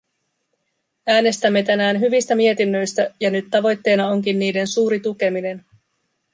Äänestämme tänään hyvistä mietinnöistä, ja nyt tavoitteena onkin niiden suuri tukeminen.